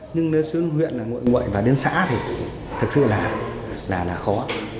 nhưng đến xương huyện nguội và đến xã thì thực sự là khó